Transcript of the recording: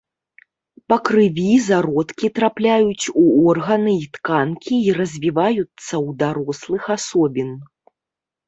Па крыві зародкі трапляюць у органы і тканкі і развіваюцца ў дарослых асобін.